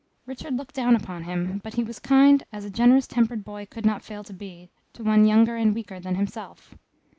Richard looked down upon him; but he was kind, as a generous tempered boy could not fail to be, to one younger and weaker than himself.